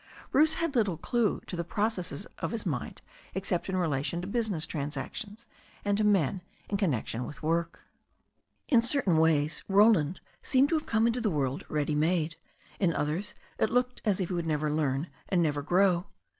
Bruce had little clue to the processes of his mind except in relation to business transactions and to men in connection with work. In certain ways Roland seemed to have come into the world ready made; in others it looked as if he would never learn and never grow.